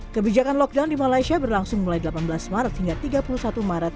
kebijakan lockdown di malaysia berlangsung mulai delapan belas maret hingga tiga puluh satu maret dua ribu dua puluh